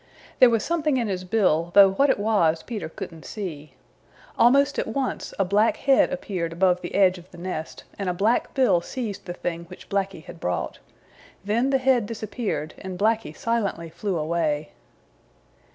There was something in his bill, though what it was Peter couldn't see. Almost at once a black head appeared above the edge of the nest and a black bill seized the thing which Blacky had brought. Then the head disappeared and Blacky silently flew away.